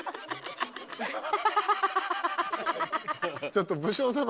ちょっと武将様